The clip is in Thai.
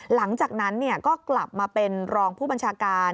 หลังจากนั้นก็กลับมาเป็นรองผู้บัญชาการ